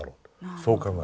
そう考えた。